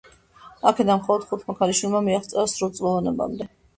აქედან მხოლოდ ხუთმა ქალიშვილმა მიაღწია სრულწლოვანებამდე.